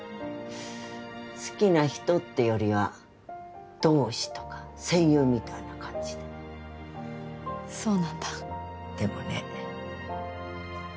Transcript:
好きな人ってよりは同志とか戦友みたいな感じでそうなんだでもね